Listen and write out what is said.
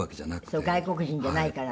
黒柳：外国人じゃないからね。